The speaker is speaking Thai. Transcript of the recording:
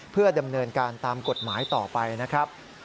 เพื่อดำเนินการตามกฎหมายต่อไปนะครับ